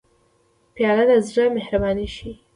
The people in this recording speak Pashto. پیاله د زړه مهرباني ښيي.